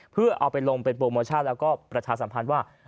เพื่อเอาไปลงเป็นโปรโมชั่นแล้วก็ประชาสัมพันธ์ว่า